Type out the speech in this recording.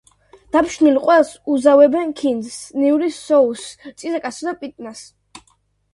დაფშვნილ ყველს უზავებენ ქინძს, ნივრის სოუსს, წიწაკასა და პიტნას.